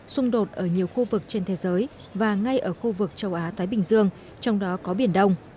xung đột ở nhiều khu vực trên thế giới và ngay ở khu vực châu á thái bình dương trong đó có biển đông